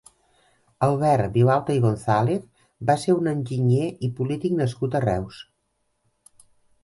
Albert Vilalta i González va ser un enginyer i polític nascut a Reus.